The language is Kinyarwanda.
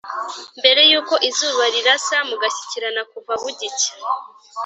mbere y’uko izuba rirasa, mugashyikirana kuva bugicya.